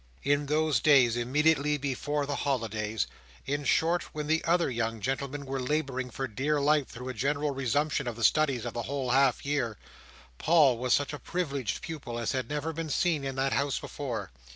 In those days immediately before the holidays, in short, when the other young gentlemen were labouring for dear life through a general resumption of the studies of the whole half year, Paul was such a privileged pupil as had never been seen in that house before.